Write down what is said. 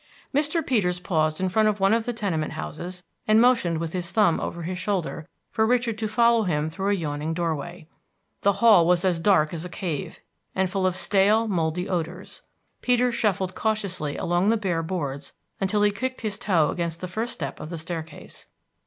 Mr. Peters paused in front of one of the tenement houses, and motioned with his thumb over his shoulder for Richard to follow him through a yawning doorway. The hall was as dark as a cave, and full of stale, moldy odors. Peters shuffled cautiously along the bare boards until he kicked his toe against the first step of the staircase.